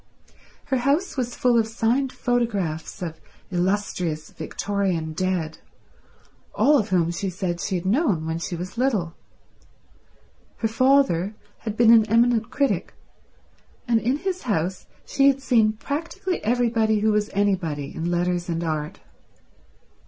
Her house was full of signed photographs of illustrious Victorian dead, all of whom she said she had known when she was little. Her father had been an eminent critic, and in his house she had seen practically everybody who was anybody in letters and art.